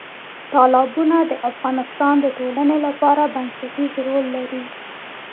تالابونه د افغانستان د ټولنې لپاره بنسټیز رول لري.